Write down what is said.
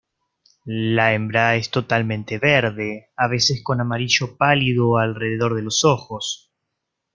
La hembra es totalmente verde, a veces con amarillo pálido alrededor de los ojos.